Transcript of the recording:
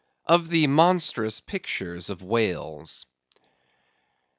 Of the Monstrous Pictures of Whales.